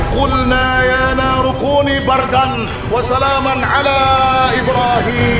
kulna ya narukuni bargan wassalamu ala ibrahim